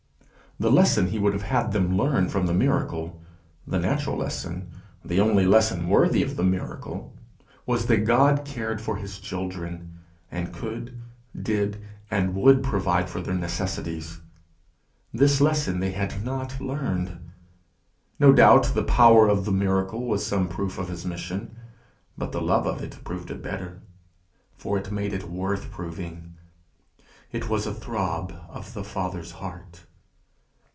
The lesson he would have had them learn from the miracle, the natural lesson, the only lesson worthy of the miracle, was, that God cared for his children, and could, did, and would provide for their necessities. This lesson they had not learned. No doubt the power of the miracle was some proof of his mission, but the love of it proved it better, for it made it worth proving: it was a throb of the Father's heart.